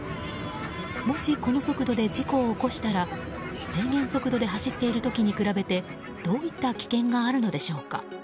もしこの速度で事故を起こしたら制限速度で走っている時に比べてどういった危険があるのでしょうか。